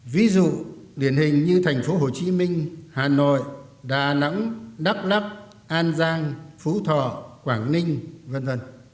ví dụ điển hình như thành phố hồ chí minh hà nội đà nẵng đắk lắc an giang phú thọ quảng ninh v v